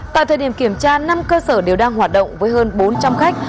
tại thời điểm kiểm tra năm cơ sở đều đang hoạt động với hơn bốn trăm linh khách